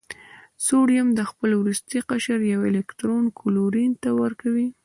سوډیم د خپل وروستي قشر یو الکترون کلورین ته ورکوي.